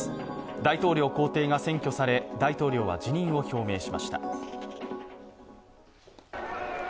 大統領公邸が占拠され、大統領は辞任を表明しました。